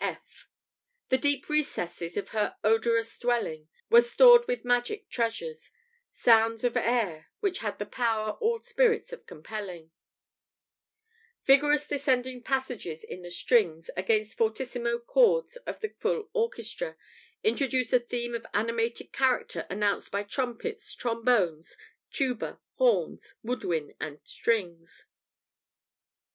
] (F) "The deep recesses of her odorous dwelling Were stored with magic treasures sounds of air, Which had the power all spirits of compelling," [Vigorous descending passages in the strings, against fortissimo chords of the full orchestra, introduce a theme of animated character announced by trumpets, trombones, tuba, horns, wood wind, and strings.